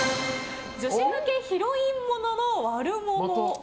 女子向けヒロイン物の悪者。